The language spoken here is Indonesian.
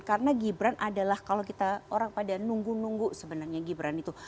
karena gibran adalah kalau kita orang pada nunggu nunggu sebenarnya gibran itu